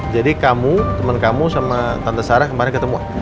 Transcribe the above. jadi kamu temen kamu sama tante sarah kemarin ketemuan